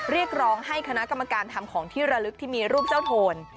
เรียกร้องให้คณะกรรมการทำของที่ระลึกที่มีรูปเจ้าโทน